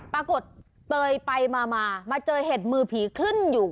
เปยไปมามาเจอเห็ดมือผีขึ้นอยู่